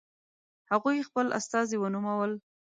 هغوی خپل استازي ونومول.